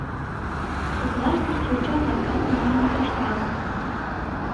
Коклаштышт йоча-влакат модын куржталыт...